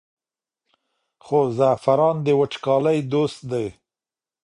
خو زعفران د وچکالۍ دوست دی.